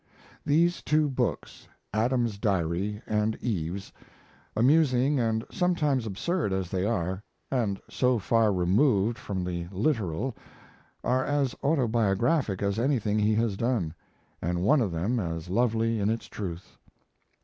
These two books, Adam's Diary and Eve's amusing and sometimes absurd as they are, and so far removed from the literal are as autobiographic as anything he has done, and one of them as lovely in its truth.